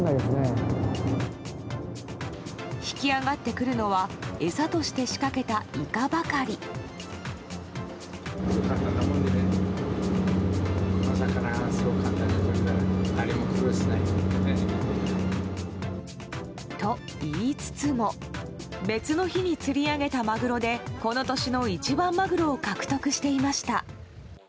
引き揚がってくるのは餌として仕掛けたイカばかり。と、言いつつも別の日に釣り上げたマグロでこの年の一番マグロを獲得していました。